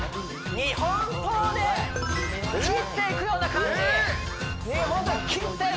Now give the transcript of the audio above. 日本刀で斬っていくような感じせーい！